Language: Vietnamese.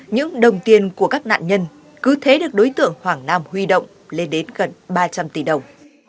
những đồng tiền của các nạn nhân cứ thế được đối tượng hoàng nam huy động lên đến gần ba trăm linh tỷ đồng